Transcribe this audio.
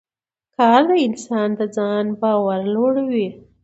کار د انسان د ځان باور لوړوي